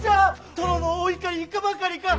殿のお怒りいかばかりか！